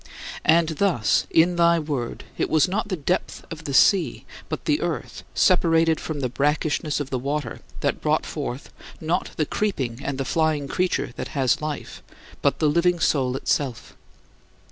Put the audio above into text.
And thus, in thy Word, it was not the depth of the sea but "the earth," separated from the brackishness of the water, that brought forth, not "the creeping and the flying creature that has life," but "the living soul" itself!